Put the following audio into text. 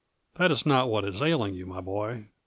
That is not what is ailing you, my boy.